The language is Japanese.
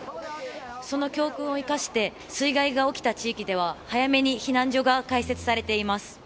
その教訓を生かして水害が起きた地域では早めに避難所が開設されています。